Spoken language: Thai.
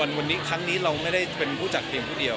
คุณแม่น้องให้โอกาสดาราคนในผมไปเจอคุณแม่น้องให้โอกาสดาราคนในผมไปเจอ